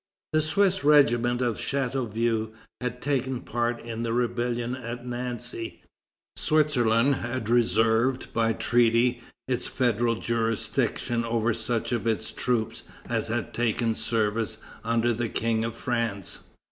The Swiss regiment of Chateauvieux had taken part in the rebellion at Nancy. Switzerland had reserved, by treaty, its federal jurisdiction over such of its troops as had taken service under the King of France.